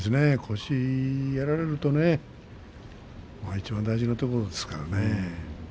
腰をやられるといちばん大事なところですからね。